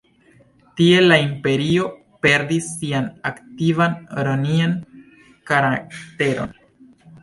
Tiel la imperio perdis sian antikvan romian karakteron.